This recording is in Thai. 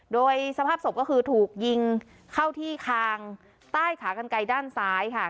โดยสภาพศพก็คือถูกยิงเข้าที่คางใต้ขากันไกลด้านซ้ายค่ะ